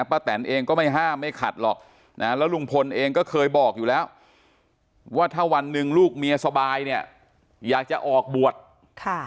แตนเองก็ไม่ห้ามไม่ขัดหรอกนะแล้วลุงพลเองก็เคยบอกอยู่แล้วว่าถ้าวันหนึ่งลูกเมียสบายเนี่ยอยากจะออกบวชค่ะ